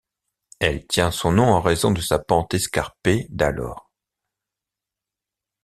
Elle tient son nom en raison de sa pente escarpée d'alors.